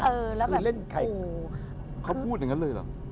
เออแล้วก็คือเล่นไข่คือเขาพูดอย่างนั้นเลยเหรอ